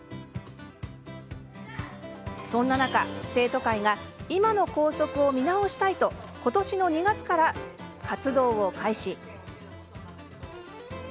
そんな中、生徒会が今の校則を見直したいとことしの２月から活動を開始。